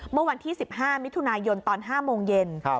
เมื่อวันที่๑๕มิถุนายนตอน๕โมงเย็น